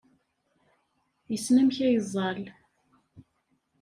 Yessen amek ad yeẓẓal.